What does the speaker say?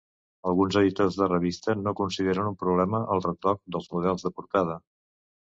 Alguns editors de revistes no consideren un problema el retoc dels models de portada.